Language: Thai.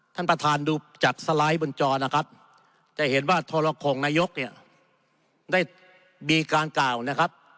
ท่านประธานดูจากสไลด์บนจอนะครับจะเห็นว่าทรคงนายกเนี่ยได้มีการกล่าวนะครับ